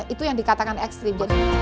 itu yang dikatakan ekstrim